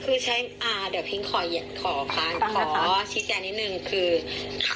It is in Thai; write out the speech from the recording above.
คือใช่อ่าเดี๋ยวเพียงขออย่างขอค่ะขอชี้แจนิดหนึ่งคือค่ะ